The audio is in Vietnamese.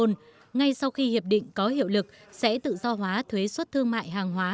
tuy nhiên ngay sau khi hiệp định có hiệu lực sẽ tự do hóa thuế suất thương mại hàng hóa